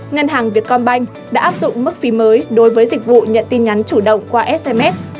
ngân hàng việt công banh đã áp dụng mức phí mới đối với dịch vụ nhận tin nhắn chủ động qua sms